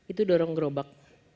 itu dorong gerobak